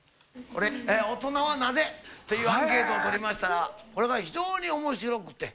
「『大人はなぜ？』というアンケートを取りましたらこれが非常に面白くて」